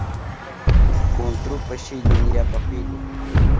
Kuntrupa shillun yapa wilu